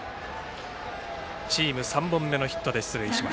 チーム３本目のヒットで出塁。